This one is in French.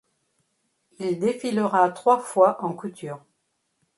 Il défilera trois fois en couture.